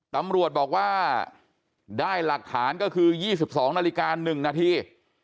สำรวจบอกว่าได้หลักฐานก็คือยี่สิบสองนาฬิกาหนึ่งนาที